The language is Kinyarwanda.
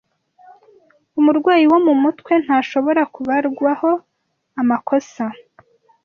umurwayi wo mu mutwe ntashobora kubarwaho amakosa